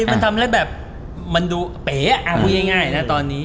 คือมันทำแล้วแบบมันดูเป๋พูดง่ายนะตอนนี้